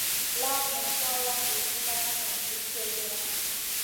La nen fawa gurjuda nen guss kegena.